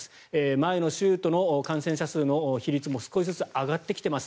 前の週との感染者数の比率も少しずつ上がってきています。